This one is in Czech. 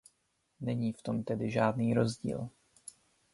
Není v tom tedy žádný rozdíl.